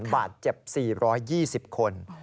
บาดเจ็บ๔๒๐คน